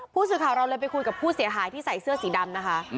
ผู้สื่อข่าวเราเลยไปคุยกับผู้เสียหายที่ใส่เสื้อสีดำนะคะ